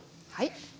はい。